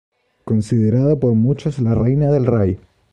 Considerada por muchos la reina del Rai.